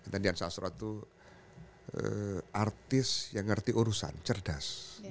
dan dian sastro tuh artis yang ngerti urusan cerdas